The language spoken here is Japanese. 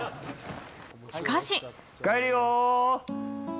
しかし。